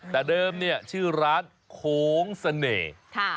แต่เดิมชื่อร้านโขงเสน่ห์